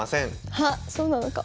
はっそうなのか。